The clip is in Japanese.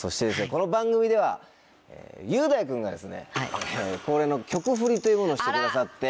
この番組では雄大君がですね恒例の曲フリというものをしてくださって。